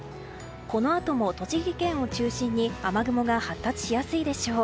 このあとも、栃木県を中心に雨雲が発達しやすいでしょう。